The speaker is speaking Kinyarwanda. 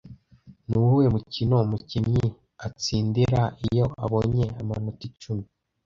Nuwuhe mukino umukinnyi atsindira iyo abonye amanota icumi